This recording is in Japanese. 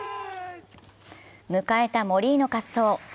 迎えた森井の滑走。